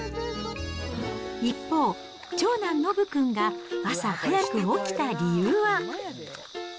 一方、長男、のぶ君が朝早く起きた理由は。